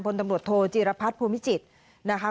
พลตำรวจโทรจีรพรรดิ์ภูมิจิตรนะคะ